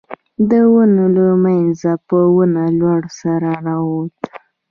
د ونو له مينځه په ونه لوړ سړی را ووت.